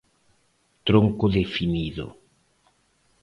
Tronco definido.